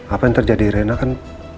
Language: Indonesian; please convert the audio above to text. apa yang terjadi rena kan